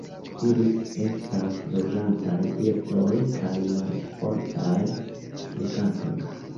Ili estas loĝantaj birdoj kaj malfortaj flugantoj.